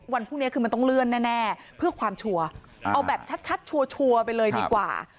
วันพรุ่งนี้คือมันต้องเลื่อนแน่เพื่อความชัวร์เอาแบบชัดชัวร์ไปเลยดีกว่า